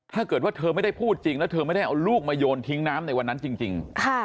ถ้าเกิดว่าเธอไม่ได้พูดจริงแล้วเธอไม่ได้เอาลูกมาโยนทิ้งน้ำในวันนั้นจริง